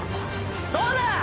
どうだ